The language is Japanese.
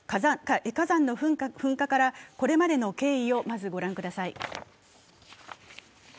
火山の噴火からこれまでの経緯をまず御覧ください。